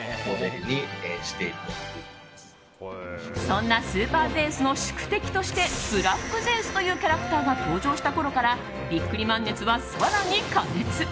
そんなスーパーゼウスの宿敵としてブラックゼウスというキャラクターが登場したころからビックリマン熱は更に過熱。